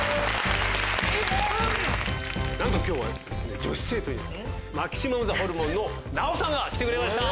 なんと今日は女子生徒にマキシマムザホルモンのナヲさんが来てくれました！